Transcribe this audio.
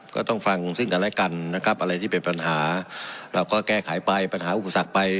ก็ต้องฟังซึ่งกันและกันนะครับอะไรที่เป็นปัญหาเราก็แก้ไขไปปัญหาอุปสรรคไป